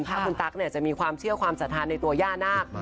ถ้าคุณตั๊กจะมีความเชื่อความศรัทธาในตัวย่านาค